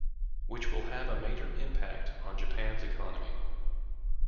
Which will have a major impact on Japans' economy.